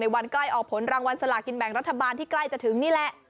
วันใกล้ออกผลรางวัลสลากินแบ่งรัฐบาลที่ใกล้จะถึงนี่แหละ